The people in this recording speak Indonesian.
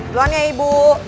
tolong ya ibu